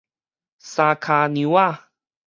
三跤娘仔